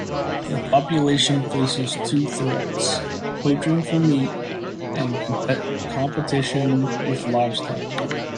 The population faces two threats: poaching for meat and competition with livestock.